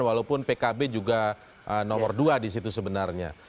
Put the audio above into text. walaupun pkb juga nomor dua disitu sebenarnya